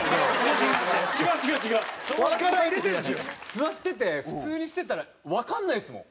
座ってて普通にしてたらわかんないですもん